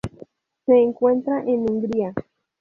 Se encuentra en Hungría.